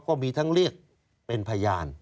ก็มีทั้งเรียกเป็นพยาน